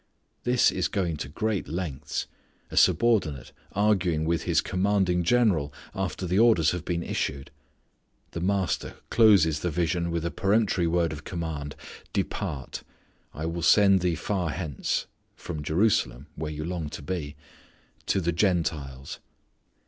This is going to great lengths; a subordinate arguing with his commanding general after the orders have been issued! The Master closes the vision with a peremptory word of command, "depart. I will send thee far hence (from Jerusalem, where you long to be), to the Gentiles."